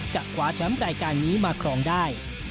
คว้าแชมป์รายการนี้มาครองได้